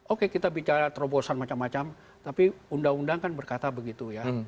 oke kita bicara terobosan macam macam tapi undang undang kan berkata begitu ya